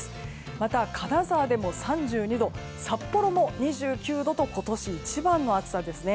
また金沢でも３２度札幌も２９度と今年一番の暑さですね。